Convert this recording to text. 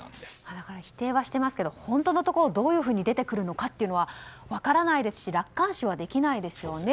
だから否定はしていますが本当のところどういうふうに出てくるかは分からないですし楽観視はできないですよね。